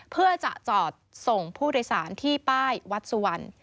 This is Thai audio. เพื่อจะจอดส่งผู้โดยสารที่ป้ายวัดสุวรรณ